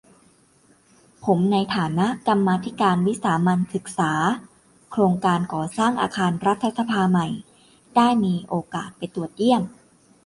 ผมในฐานะกรรมาธิการวิสามัญศึกษาโครงการก่อสร้างอาคารรัฐสภาใหม่ ได้มีโอกาสไปตรวจเยี่ยม